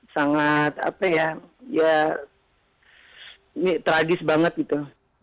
sangat apa ya ya ini tradis banget gitu